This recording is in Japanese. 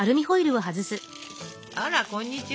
あらこんにちは。